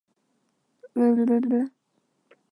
革叶蒲儿根为菊科蒲儿根属下的一个种。